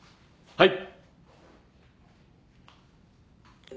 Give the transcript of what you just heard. はい。